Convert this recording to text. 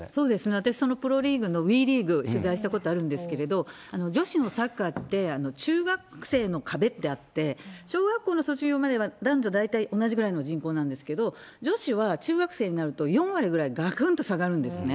私、そのプロリーグのＷＥリーグ、取材したことあるんですけれども、女子のサッカーって、中学生の壁ってあって、小学校の卒業までは男女、大体同じぐらいの人口なんですけど、女子は中学生になると４割ぐらい、がくんと下がるんですね。